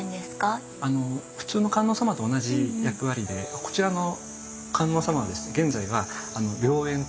普通の観音様と同じ役割でこちらの観音様はですね